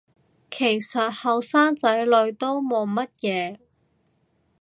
其實後生仔女都冇乜嘢